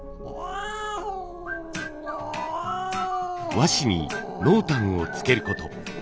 和紙に濃淡をつけること。